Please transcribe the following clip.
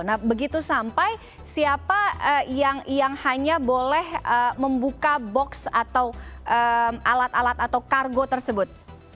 nah begitu sampai siapa yang hanya boleh membuka box atau alat alat atau kargo tersebut